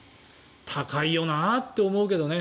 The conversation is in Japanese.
高いよなって思うけどね。